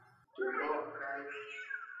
Chindo ama kadi.